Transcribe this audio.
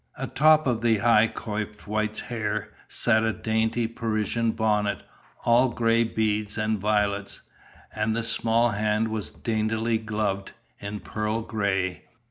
Atop of the high coifed white hair, sat a dainty Parisian bonnet, all gray beads and violets, and the small hands were daintily gloved, in pearl gray.